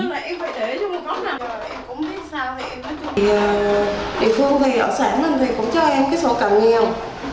thì địa phương thì ở xã mình thì cũng cho em cái số càng nhiều